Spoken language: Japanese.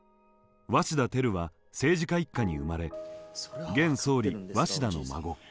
鷲田照は政治家一家に生まれ現総理鷲田の孫。